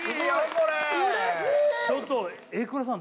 これちょっと榮倉さん